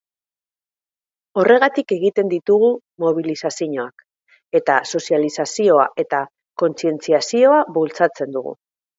Horregatik egiten ditugu mobilizazioak, eta sozializazioa eta kontzientziazioa bultzatzen dugu.